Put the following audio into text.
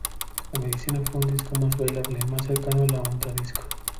La medicina, fue un disco más bailable, más cercano a la onda disco.